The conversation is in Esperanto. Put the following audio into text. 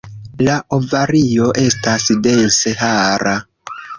La ovario estas dense hara.